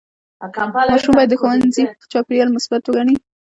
ماشوم باید د ښوونځي چاپېریال مثبت وګڼي.